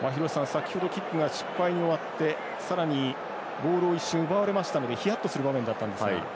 先ほどキックが失敗に終わってさらに、ボールを一瞬奪われましたのでヒヤッとする場面だったんですが。